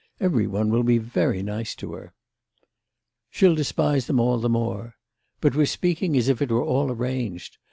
Every one will be very nice to her." "She'll despise them all the more. But we're speaking as if it were all arranged.